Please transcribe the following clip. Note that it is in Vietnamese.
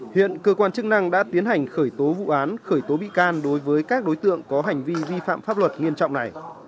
hiện cơ quan chức năng đã tiến hành khởi tố vụ án khởi tố bị can đối với các đối tượng có hành vi vi phạm pháp luật nghiêm trọng này